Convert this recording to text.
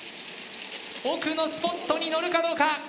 奥のスポットに乗るかどうか？